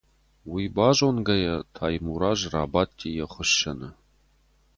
Уый базонгӕйӕ, Таймураз рабадти йӕ хуыссӕны.